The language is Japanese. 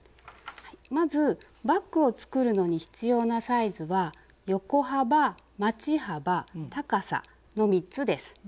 まずバッグを作るのに必要なサイズは横幅まち幅高さの３つです。